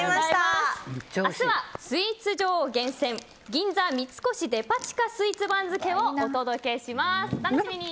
明日はスイーツ女王厳選銀座三越デパ地下スイーツ番付をお届けします、お楽しみに！